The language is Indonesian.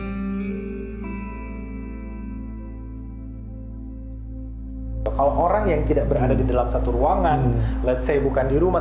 kalau orang yang tidak berada di dalam satu ruangan let's say bukan di rumah